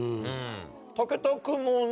武田君もね